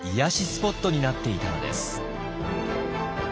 スポットになっていたのです。